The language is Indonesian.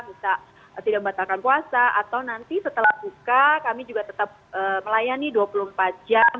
bisa tidak membatalkan puasa atau nanti setelah buka kami juga tetap melayani dua puluh empat jam